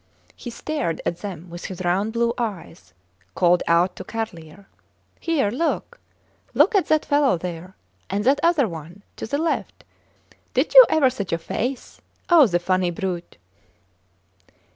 He stared at them with his round blue eyes, called out to Carlier, Here, look! look at that fellow there and that other one, to the left. Did you ever such a face? Oh, the funny brute!